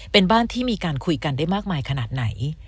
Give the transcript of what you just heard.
เป็นบ้านที่มีการคุยกันได้มากมายขนาดไหน